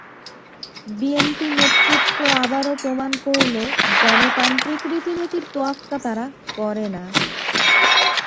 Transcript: BNP নেতৃত্ব আবারও প্রমাণ করল গণতান্ত্রিক রীতিনীতির তোয়াক্কা তারা করে না।